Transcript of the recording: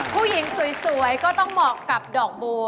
ผู้หญิงสวยก็ต้องเหมาะกับดอกบัว